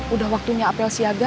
udah waktunya apel siaga